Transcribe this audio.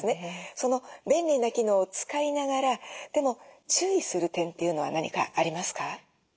その便利な機能を使いながらでも注意する点というのは何かありますか？